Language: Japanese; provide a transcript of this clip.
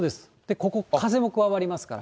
ここ、風も加わりますから。